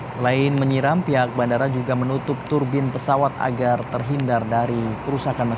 selain menyiram pihak bandara juga menutup turbin pesawat agar terhindar dari kerusakan masyarakat